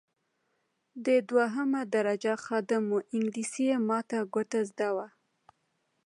دی دوهمه درجه خادم وو انګلیسي یې ماته ګوډه زده وه.